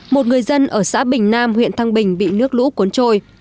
một người dân ở xã bình nam huyện thăng bình bị nước lũ cuốn trôi